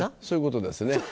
そういうことですね。